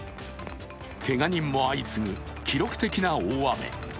けが人も相次ぐ記録的な大雨。